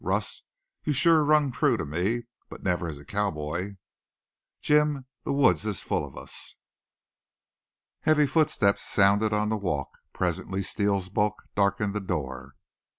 "Russ, you sure rung true to me. But never as a cowboy!" "Jim, the woods is full of us!" Heavy footsteps sounded on the walk. Presently Steele's bulk darkened the door.